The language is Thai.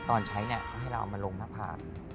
ตอนใช้เนี่ยก็ให้เราเอามาลงมาพา